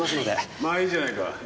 まあいいじゃないか。